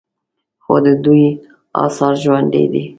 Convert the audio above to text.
خو د دوی آثار ژوندي دي